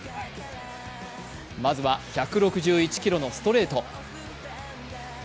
まずは、１６１キロのストレート。